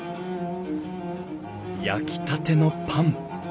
焼きたてのパン。